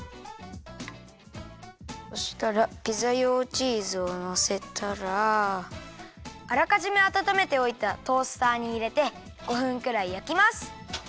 そしたらピザ用チーズをのせたらあらかじめあたためておいたトースターにいれて５分くらいやきます。